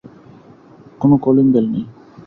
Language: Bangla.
কোনো কলিং বেল নেই।